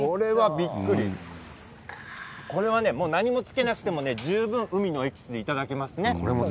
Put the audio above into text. これは何もつけなくても十分、海のエキスでいただけますね。